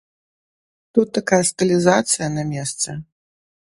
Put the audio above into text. Тут такая стылізацыя на месцы.